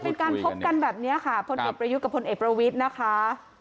เป็นการพบกันแบบนี้ค่ะพลเอกประยุทธ์กับพลเอกประวิทย์นะคะ